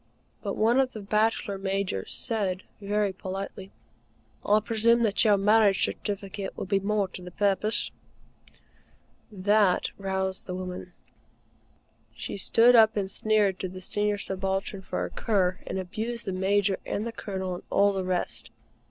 But one of the Bachelor Majors said very politely: "I presume that your marriage certificate would be more to the purpose?" That roused the woman. She stood up and sneered at the Senior Subaltern for a cur, and abused the Major and the Colonel and all the rest.